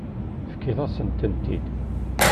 Tefkiḍ-asent-ten-id.